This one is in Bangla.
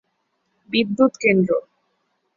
বিদ্যুৎ কেন্দ্র